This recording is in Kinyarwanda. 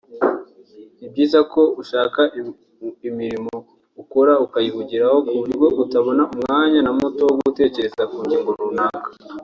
ni byiza ko ushaka imirimo ukora ukayihugiraho ku buryo utabona umwanya na muto wo gutekereza ku ngingo runaka